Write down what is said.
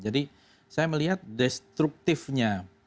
jadi saya melihat destruktifnya